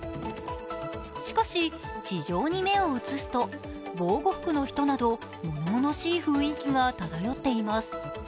しかし、地上に目を移すと防護服の人など物々しい雰囲気が漂っています。